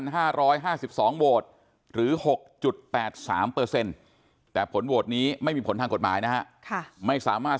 โหวตหรือ๖๘๓แต่ผลโหวตนี้ไม่มีผลทางกฎหมายนะครับไม่สามารถ